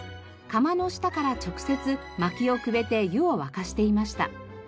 釜の下から直接まきをくべて湯を沸かしていました。